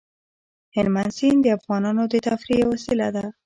هلمند سیند د افغانانو د تفریح یوه وسیله ده.